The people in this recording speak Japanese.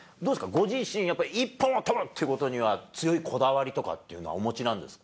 ご自身、一本を取るっていうことには、強いこだわりとかってお持ちなんですか。